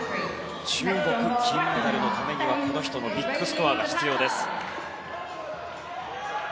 中国は金メダルのためにはこの人のビッグスコアが必要です。